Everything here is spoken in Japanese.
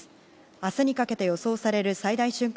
明日にかけて予想される最大瞬間